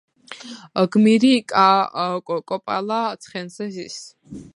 გმირი კოპალა ცხენზე ზის,